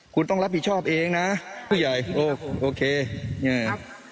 คุณต้องรับผิดชอบเองนะผู้ใหญ่โอเคเนี่ย